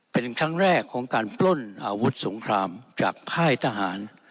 เป็นครั้งแรกของการปล้นอาวุธสงครามจากค่ายทหาร